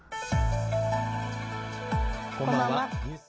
こんばんは。